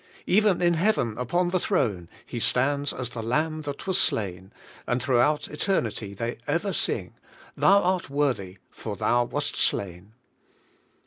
Even in Heaven, upon the throne. He stands as the Lamb that was slain, and through eternity they ever sing, "Thou art worthy, for Thou wast slain."